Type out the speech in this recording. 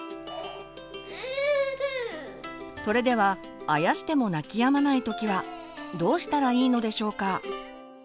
それではあやしても泣きやまない時はどうしたらいいのでしょうか？